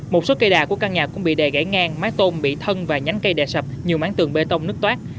một số cây đà của căn nhà cũng bị đè gãy ngang máy tôn bị thân và nhánh cây đè sập nhiều mảng tường bê tông nứt toát